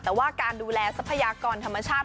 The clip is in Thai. แต่ว่าการดูแลทรัพยากรธรรมชาติ